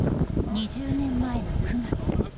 ２０年前の９月。